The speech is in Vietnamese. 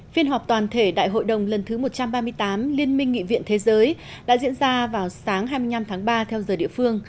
phiên họp toàn thể đại hội đồng lần thứ một trăm ba mươi tám liên minh nghị viện thế giới đã diễn ra vào sáng hai mươi năm tháng ba theo giờ địa phương